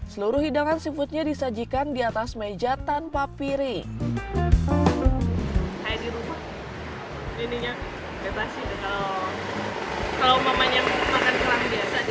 seluruh hidangan seafoodnya disajikan di atas meja tanpa piring